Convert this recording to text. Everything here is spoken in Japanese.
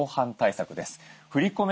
振り込め